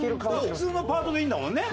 普通のパートでいいんだもんね？